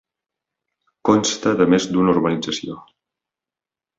Consta de més d'una urbanització.